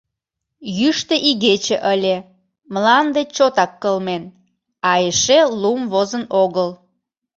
Йӱштӧ игече ыле; мланде чотак кылмен, а эше лум возын огыл.